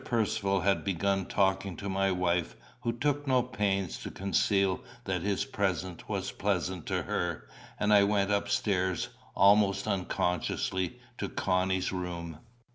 Percivale had begun talking to my wife, who took no pains to conceal that his presence was pleasant to her, and I went upstairs, almost unconsciously, to Connie's room.